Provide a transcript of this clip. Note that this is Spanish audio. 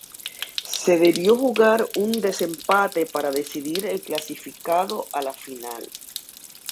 Se debió jugar un desempate para decidir el clasificado a la final.